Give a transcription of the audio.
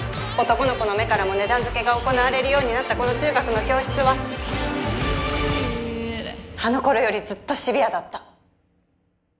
男の子の目からも値段付けが行われるようになったこの中学の教室はあの頃よりずっとシビアだった。